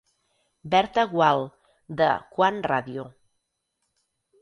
Berta Gual, de Quan Ràdio.